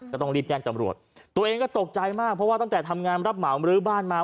ก็ต้องรีบแจ้งจำรวจตัวเองก็ตกใจมากเพราะว่าตั้งแต่ทำงานรับเหมามรื้อบ้านมา